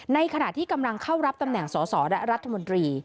ในขณะที่กำลังเข้ารับตำแหน่งสอสอและรัฐมนตรี